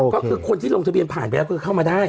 ก็คือคนที่ลงทะเบียนผ่านไปแล้วคือเข้ามาได้